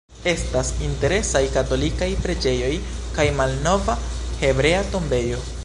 Estas interesaj katolikaj preĝejoj kaj malnova Hebrea tombejo.